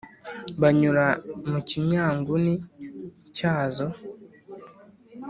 banyura mukinyanguni cyazo